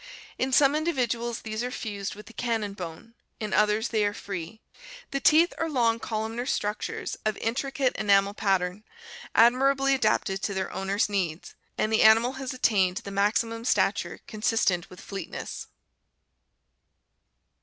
In some individuals these are fused with the cannon bone; in others they are free. The teeth are long columnar structures of intri cate enamel pattern, admirably adapted to their owner's needs, and the animal has attained the maximum stature consistent with fleetness.